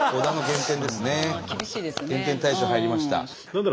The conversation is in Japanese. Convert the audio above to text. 減点対象入りました。